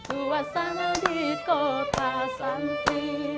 suasana di kota santri